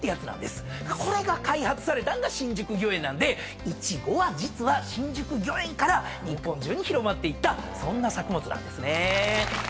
これが開発されたんが新宿御苑なんでいちごは実は新宿御苑から日本中に広まっていったそんな作物なんですね。